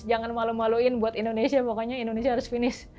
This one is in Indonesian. jangan malu maluin buat indonesia pokoknya indonesia harus finish